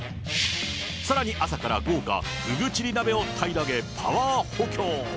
さらに朝から豪華ふぐちり鍋を平らげ、パワー補強。